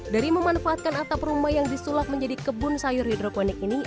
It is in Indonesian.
dari memanfaatkan atap rumah yang disulap menjadi kebun sayur hidroponik ini